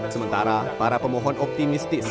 sementara para pemohon optimistis